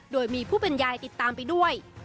โดยมีผู้เป็นยายติดตามไปด้วย